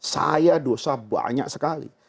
saya dosa banyak sekali